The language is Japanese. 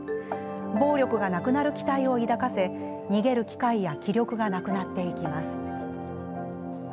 暴力がなくなる期待を抱かせ逃げる機会や気力がなくなっていきます。